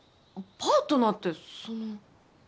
パートナーってその。